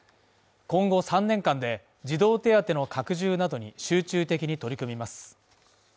今後３年間で、児童手当の拡充などに集中的に取り組みます。